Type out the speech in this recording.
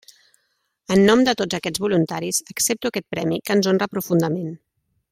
En nom de tots aquests voluntaris accepto aquest premi que ens honra profundament.